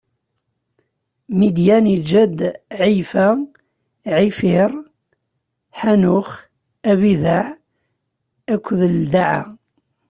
Midyan iǧǧa-d: Ɛiyfa, Ɛifiṛ, Ḥanux, Abidaɛ akked Ildaɛa.